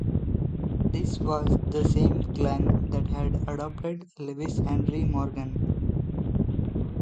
This was the same clan that had adopted Lewis Henry Morgan.